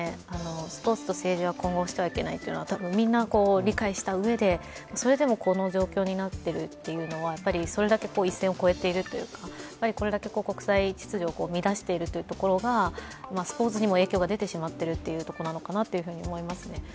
スポーツと政治は混同してはいけないというのはみんな理解した上でそれでもこの状況になってるというのは、それだけ一線を越えてるというか国際秩序を乱しているところがスポーツにも影響が出てしまっているというところかなと思いますね。